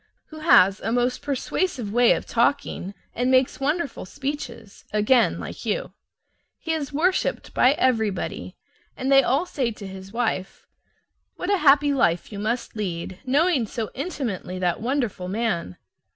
Who has a most persuasive way of talking and makes wonderful speeches (again like you). He is worshiped by everybody, and they all say to his wife, "What a happy life you must lead, knowing so intimately that wonderful man!"